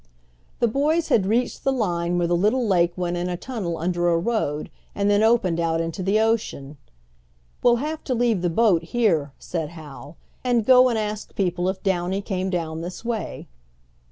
The boys had reached the line where the little lake went in a tunnel under a road, and then opened out into the ocean. "We'll have to leave the boat here," said Hal, "and go and ask people if Downy came down this way."